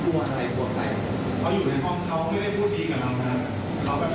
เขาก็ใส่ตรงคืออยากให้เราเสร็จ